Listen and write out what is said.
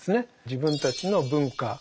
自分たちの文化